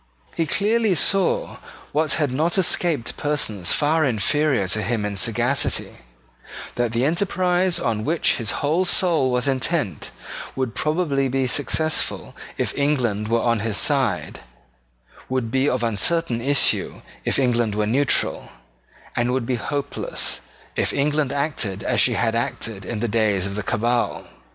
He clearly saw what had not escaped persons far inferior to him in sagacity, that the enterprise on which his whole soul was intent would probably be successful if England were on his side, would be of uncertain issue if England were neutral, and would be hopeless if England acted as she had acted in the days of the Cabal.